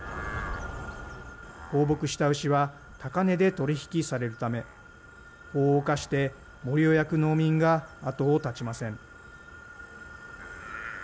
放牧した牛は高値で取り引きされるため、法を犯して森を焼く農民が後を絶ちません。